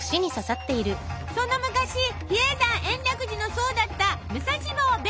その昔比叡山延暦寺の僧だった武蔵坊弁慶。